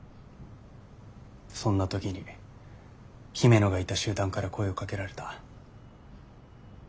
そんな時に姫野がいた集団から声をかけられた。